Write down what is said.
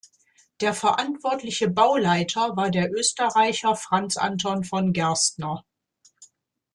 Der verantwortliche Bauleiter war der Österreicher Franz Anton von Gerstner.